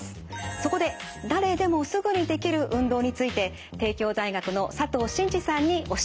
そこで誰でもすぐにできる運動について帝京大学の佐藤真治さんに教えていただきます。